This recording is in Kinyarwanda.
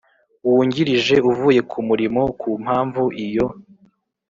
Wungirije uvuye ku murimo ku mpamvu iyo